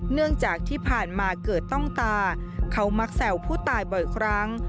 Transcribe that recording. เนื่องจากที่ผ่านมาเกิดต้องตาเขามักแซวผู้ตายบ่อยครั้ง